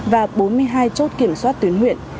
và bốn mươi hai chốt kiểm soát tuyến huyện